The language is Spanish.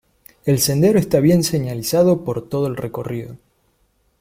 El sendero está bien señalizado por todo el recorrido.